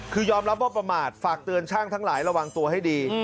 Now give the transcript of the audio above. คือยอมรับว่าประมาทฝากเตือนช่างทั้งหลายระวังตัวให้ดี